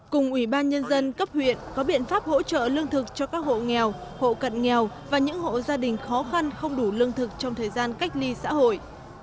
cùng ủy ban nhân dân cấp huyện có biện pháp hỗ trợ lương thực cho các hộ nghèo hộ cận nghèo và những hộ gia đình khó khăn không đủ lương thực trong thời gian cách ly xã hội